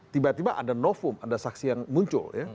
tiba tiba ada novum ada saksi yang muncul ya